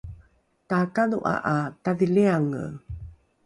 takadho’a ’a tadhiliange